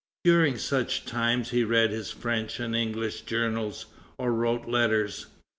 During such times he read his French and English journals, or wrote letters.